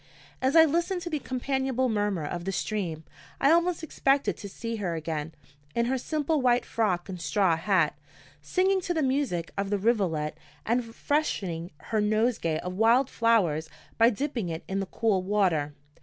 As I listened to the companionable murmur of the stream, I almost expected to see her again, in her simple white frock and straw hat, singing to the music of the rivulet, and freshening her nosegay of wild flowers by dipping it in the cool water.